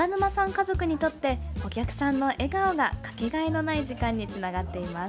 家族にとってお客さんの笑顔がかけがえのない時間につながっています。